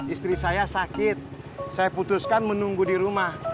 istri saya sakit saya putuskan menunggu di rumah